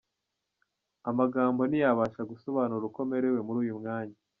Amagambo ntiyabasha gusobanura uko merewe muri uyu mwanya.